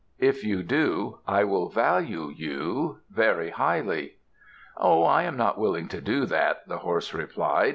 If you do, I will value you very highly." "Oh, I am not willing to do that," the horse replied.